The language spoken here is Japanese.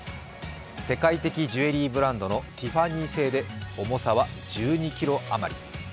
世界的ジュエリーブランドのティファニー製で重さは１２ｋｇ余り。